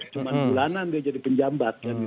cuma bulanan dia jadi penjabat